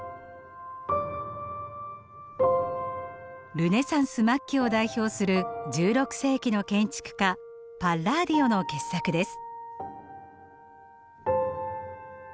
ルネサンス末期を代表する１６世紀の建築家パッラーディオの傑作です。